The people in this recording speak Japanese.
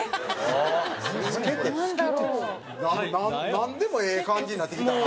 なんでもええ感じになってきたな。